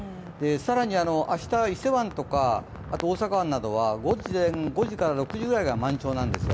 更に明日、伊勢湾とか大阪湾などは午前５時から６時ぐらいが満潮なんですよ。